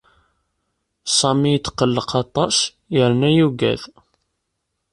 Sami yetqellaq aṭas yerna yugad.